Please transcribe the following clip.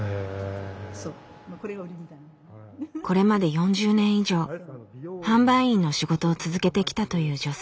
これまで４０年以上販売員の仕事を続けてきたという女性。